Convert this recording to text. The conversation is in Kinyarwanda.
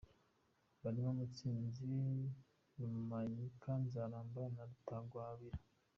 Barimo Mutsinzi, Rumanyika, Nzaramba, na Rutagwabira.